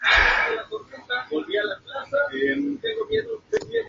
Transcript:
Desarrolló diferentes proyectos de cooperación internacional.